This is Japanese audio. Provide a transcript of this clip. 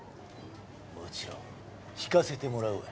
もちろん引かせてもらうわ。